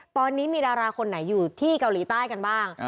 ตอนนี้มีดาราคนไหนอยู่ที่เกาหลีใต้กันบ้าง